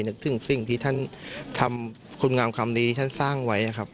นึกถึงสิ่งที่ท่านทำคุณงามคำนี้ท่านสร้างไว้ครับ